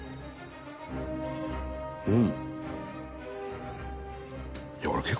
うん。